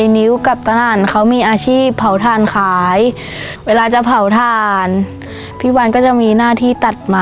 สมัยก่อนไอ้นิ้วกับผสม่วงเขามีอาชีพเผาทานขายเวลาจะเผาผสม่วงพี่วันก็จะมีหน้าที่ตัดไม้